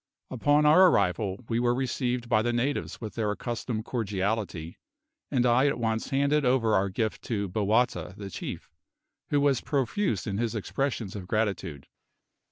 Upon our arrival we were received by the natives with their accustomed cordiality, and I at once handed over our gift to Bowata, the chief, who was profuse in his expressions of gratitude.